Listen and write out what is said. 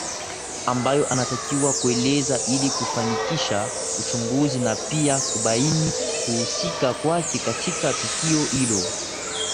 ambayo anatakiwa kueleza ili kufanikisha uchunguzi na pia kubaini kuhusika kwake katika tukio hilo